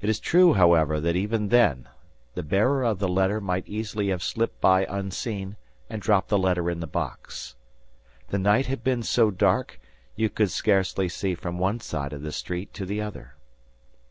It is true, however, that even then, the bearer of the letter might easily have slipped by unseen and dropped the letter in the box. The night had been so dark, you could scarcely see from one side of the street to the other.